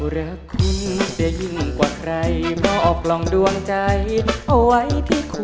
รักคุณจะยิ่งกว่าใครมาออกลองดวงใจเอาไว้ที่คอ